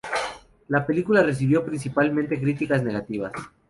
La película recibió principalmente críticas negativas.